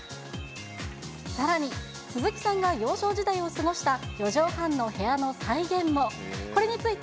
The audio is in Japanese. さらに、鈴木さんが幼少時代を過ごした四畳半の部屋の再現も。